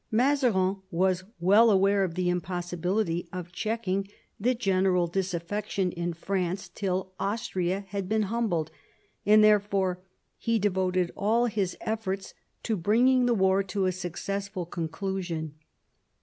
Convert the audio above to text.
Mazarin was well aware of the impossibility of checking the general disaffection in France till Austria had been humbled, and therefore he devoted all his efforte to bringing the war to a successful conclusion.